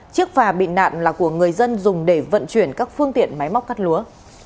chiếc phà bị nạn là của người dân dùng để vận chuyển các phương tiện máy móc cắt lúa